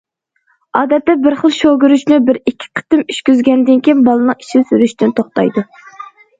ئادەتتە بىر خىل شوۋىگۈرۈچنى بىر، ئىككى قېتىم ئىچكۈزگەندىن كېيىن بالىنىڭ ئىچى سۈرۈشتىن توختايدۇ.